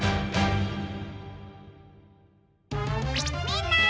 みんな！